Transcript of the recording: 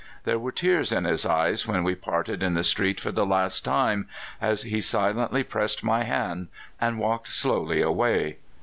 There were tears in his eyes when we parted in the street for the last time, as he silently pressed my hand and walked slowly away.